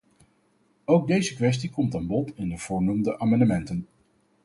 Ook deze kwestie komt aan bod in de voornoemde amendementen.